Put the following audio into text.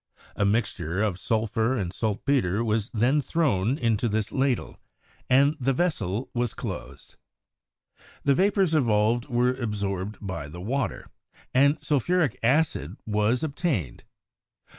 A mixture of sulphur and saltpeter was then thrown into this ladle, and the vessel was closed. The vapors evolved were absorbed by the water, and sul phuric acid costing from is. 6d. to 2s. 6d. per pound was obtained.